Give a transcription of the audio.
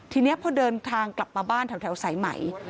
ทีนี้พอเดินทางกลับมาบ้านแถวสายใหม่